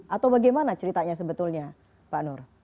atau bagaimana ceritanya sebetulnya pak nur